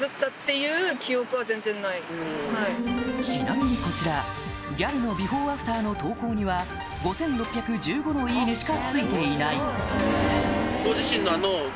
ちなみにこちらギャルのビフォーアフターの投稿には５６１５の「いいね」しかついていないそうそうそう！